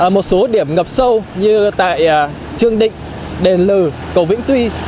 một số điểm ngập sâu như tại trương định đền lừ cầu vĩnh tuy